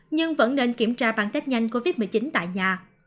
nhưng vẫn nên kiểm tra bằng test nhanh covid một mươi chín tại nhà